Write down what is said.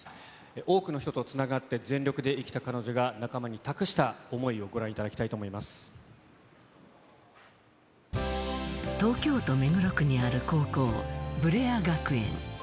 多くの人とつながって、全力で生きた彼女が仲間に託した思いをご覧いただきたいと思いま東京都目黒区にある高校、ブレア学園。